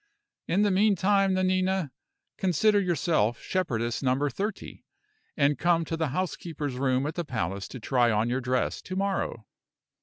In the meantime, Nanina, consider yourself Shepherdess Number Thirty, and come to the housekeeper's room at the palace to try on your dress to morrow.